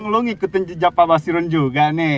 lo ngikutin jejak pak basirun juga nih